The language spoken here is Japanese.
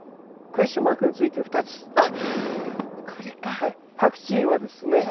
パクチーはですねセリ科。